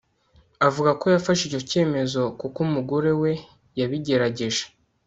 avuga ko yafashe icyo cyemezo kuko umugore we yabigerageje